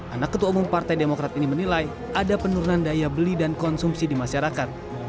anak ketua umum partai demokrat ini menilai ada penurunan daya beli dan konsumsi di masyarakat